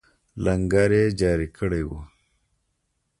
لنګر یې جاري کړی وو.